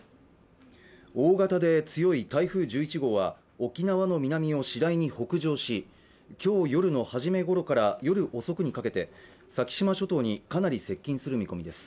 大型で強い台風１１号は沖縄の南を次第に北上し今日夜の初めごろから夜遅くにかけて先島諸島にかなり接近する見込みです